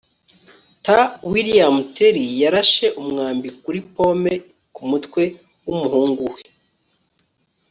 t] william tell yarashe umwambi kuri pome kumutwe wumuhungu we